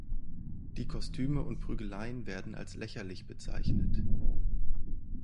Die Kostüme und Prügeleien werden als lächerlich bezeichnet.